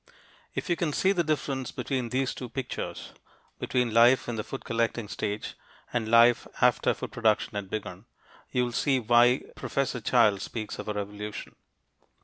If you can see the difference between these two pictures between life in the food collecting stage and life after food production had begun you'll see why Professor Childe speaks of a revolution.